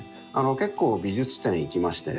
結構美術展行きましてね。